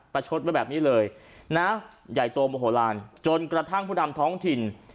ชดไว้แบบนี้เลยนะใหญ่โตโมโหลานจนกระทั่งผู้นำท้องถิ่น